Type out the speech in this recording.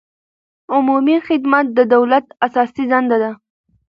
عمومي خدمت د دولت اساسي دنده ده.